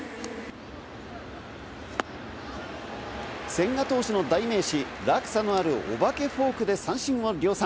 千賀投手の代名詞、落差のある、おばけフォークで三振を量産。